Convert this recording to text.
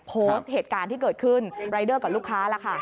โพสต์เหตุการณ์ที่เกิดขึ้นรายเดอร์กับลูกค้าล่ะค่ะ